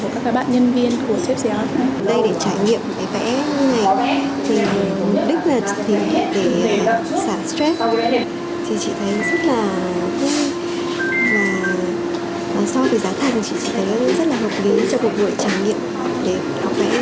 chị thấy rất là vui và so với giá thành chị thấy rất là hợp lý cho một buổi trải nghiệm để học vẽ như thế này